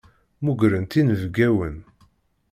Mmugrent inebgawen.